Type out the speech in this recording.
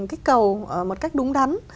kích cầu một cách đúng đắn